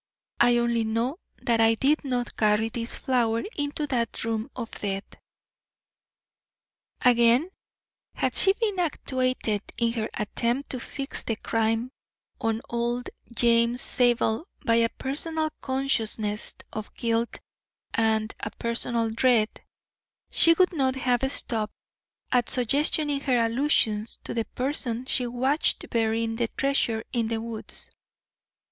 I only know that I did not carry this flower into that room of death." Again, had she been actuated in her attempt to fix the crime on old James Zabel by a personal consciousness of guilt and a personal dread, she would not have stopped at suggestion in her allusions to the person she watched burying the treasure in the woods.